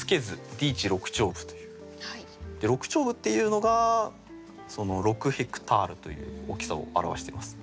「六町歩」っていうのが６ヘクタールという大きさを表しています。